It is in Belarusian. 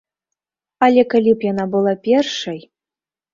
Але калі б яна была першай.